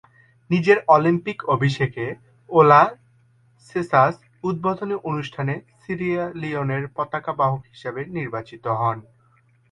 নিজের অলিম্পিক অভিষেকে ওলা সেসায়, উদ্বোধনী অনুষ্ঠানে সিয়েরা লিওনের পতাকা বাহক হিসাবে নির্বাচিত হন।